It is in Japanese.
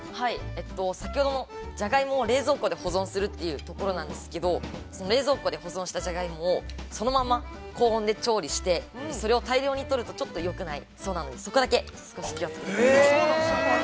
◆先ほどのじゃがいもを冷蔵庫で保存するというところなんですけれども、冷蔵庫で保存したジャガイモをそのまま高温で調理して、それを大量にとると、よくないんで、そこだけ少し気をつけてください。